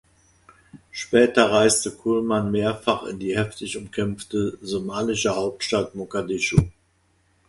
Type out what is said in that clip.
Später reiste Kullmann mehrfach in die heftig umkämpfte somalische Hauptstadt Mogadischu.